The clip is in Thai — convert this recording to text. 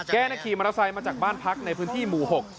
ขี่มอเตอร์ไซค์มาจากบ้านพักในพื้นที่หมู่๖